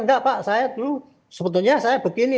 enggak pak sebetulnya saya begini